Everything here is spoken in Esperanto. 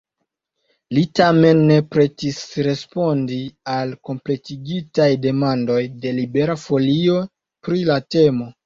Li tamen ne pretis respondi al kompletigaj demandoj de Libera Folio pri la temo.